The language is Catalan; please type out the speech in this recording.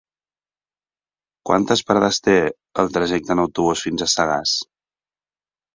Quantes parades té el trajecte en autobús fins a Sagàs?